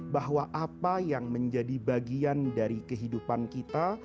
bahwa apa yang menjadi bagian dari kehidupan kita